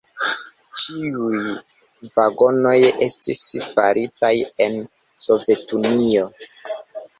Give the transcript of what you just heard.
Ĉiuj vagonoj estis faritaj en Sovetunio.